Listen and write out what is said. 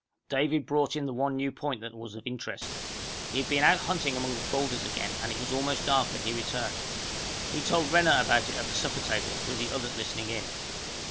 David brought in the one new point that was of interest. He had been out hunting among the boulders again, and it was almost dark when he returned. He told Renner about it at the supper table, with the others listening in.